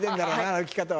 歩き方は。